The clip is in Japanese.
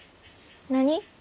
何？